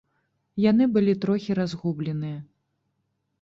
Яны былі трохі разгубленыя.